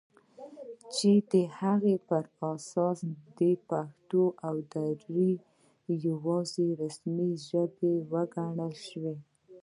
چې د هغه په اساس دې پښتو او دري یواځې رسمي ژبې وګڼل شي